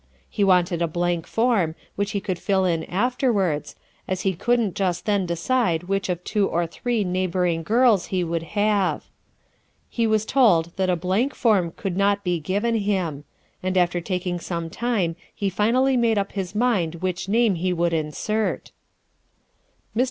He wanted a blank form, which he could fill in afterwards, as he couldn't just then decide which of two or three neighboring girls he would have. He was told that a blank form could not be given him; and after taking some time he finally made up his mind which name he would insert." Mr.